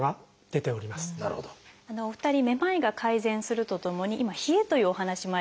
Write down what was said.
お二人めまいが改善するとともに今冷えというお話もありました。